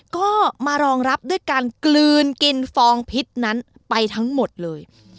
ก็มารองรับด้วยการกลืนกินฟองพิษนั้นไปทั้งหมดเลย